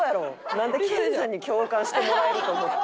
なんで研さんに共感してもらえると思って。